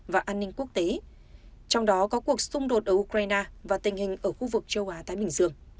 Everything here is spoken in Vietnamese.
và an ninh quốc tế trong đó có cuộc xung đột ở ukraine và tình hình ở khu vực châu á thái bình dương